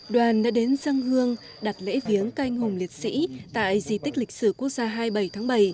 đoàn đã đến dân hương đặt lễ viếng canh hùng liệt sĩ tại di tích lịch sử quốc gia hai mươi bảy tháng bảy